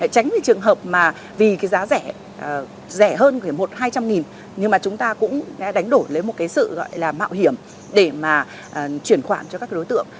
tránh trường hợp mà vì giá rẻ hơn một hai trăm linh nghìn nhưng mà chúng ta cũng đánh đổi lên một sự gọi là mạo hiểm để mà chuyển khoản cho các đối tượng